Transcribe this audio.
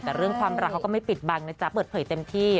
แต่เรื่องความรักเขาก็ไม่ปิดบังนะจ๊ะเปิดเผยเต็มที่